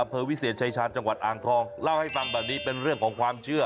อำเภอวิเศษชายชาญจังหวัดอ่างทองเล่าให้ฟังแบบนี้เป็นเรื่องของความเชื่อ